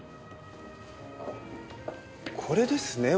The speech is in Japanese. これですね？